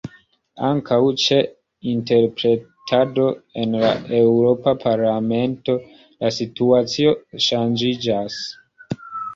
Ankaŭ ĉe interpretado en la Eŭropa Parlamento la situacio ŝanĝiĝas.